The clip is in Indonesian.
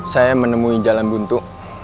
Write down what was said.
saya menemui jalan buntu